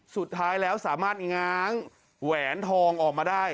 สุดท้ายแล้วสามารถง้างแหวนทองออกมาได้